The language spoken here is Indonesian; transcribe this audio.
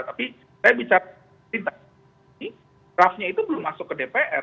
tapi saya bicara draftnya itu belum masuk ke dpr